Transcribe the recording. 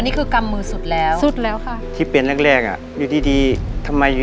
อันนี้คือกระมมือสุดแล้วจงพาแต่ไม่เหมือนถี่